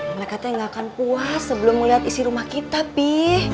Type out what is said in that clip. mereka tuh nggak akan puas sebelum melihat isi rumah kita pi